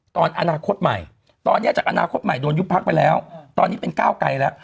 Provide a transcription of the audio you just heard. ตอนอนาคตใหม่ตอนนี้จากอนาคตใหม่โดนยุบพักไปแล้วตอนนี้เป็นก้าวไกลแล้ว